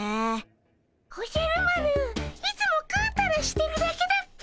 おじゃる丸いつもグータラしてるだけだっピ。